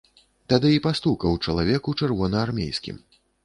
Тады і пастукаў чалавек у чырвонаармейскім.